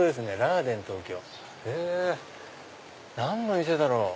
何の店だろう？